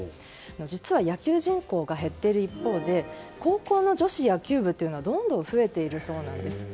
実は、野球人口が減っている一方で高校の女子野球部はどんどん増えているそうなんです。